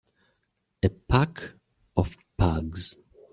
A pack of Pugs.